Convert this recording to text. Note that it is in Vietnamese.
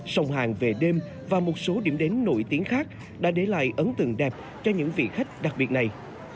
sông hàng về đêm và một số điểm đến nổi tiếng khác đã để lại ấn tượng đẹp cho những vị khách đặc biệt này